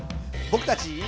僕たち。